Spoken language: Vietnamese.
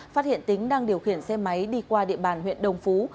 phát hiện tính đang điều khiển xe máy đi qua địa bàn huyện đồng phú